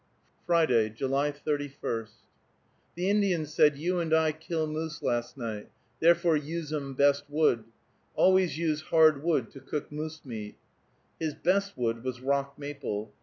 FRIDAY, July 31. The Indian said, "You and I kill moose last night, therefore use 'em best wood. Always use hard wood to cook moose meat." His "best wood" was rock maple.